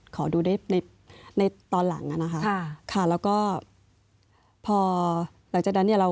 ขอดูได้ในตอนหลังอ่ะนะคะค่ะแล้วก็พอหลังจากนั้นเนี่ยเรา